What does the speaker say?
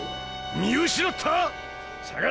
見失った？